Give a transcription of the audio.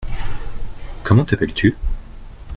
Comment t’appelles-tu ?